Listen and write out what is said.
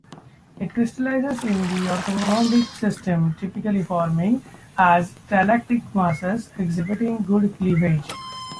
It crystallizes in the orthorhombic system typically forming as stalactitic masses exhibiting good cleavage.